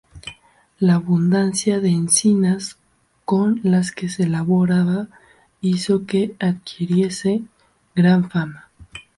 La abundancia de encinas con las que se elaboraba hizo que adquiriese gran fama.